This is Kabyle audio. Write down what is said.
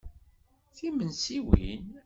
Timensiwin.